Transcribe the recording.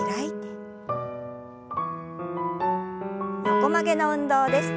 横曲げの運動です。